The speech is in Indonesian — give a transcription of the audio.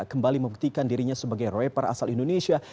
kembali membuktikan dirinya sebagai rapper asal indonesia